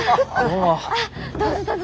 あっどうぞどうぞ。